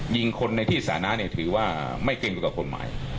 ยิงคนในที่สานะถือว่าไม่เก่งกับคนหมาย